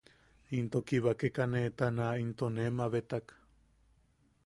Ne kibakekane ta naʼa into nee mabetak.